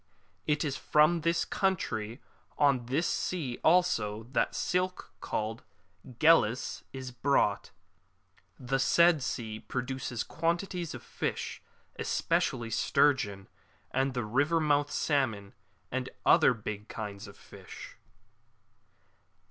It is from the country on this sea also that the silk called GhellS is brought.^ [The said sea produces quantities of fish, especially sturgeon, at the river mouths salmon, and other big kinds of fish.